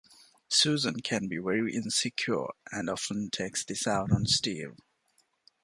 Susan can be very insecure and often takes this out on Steve.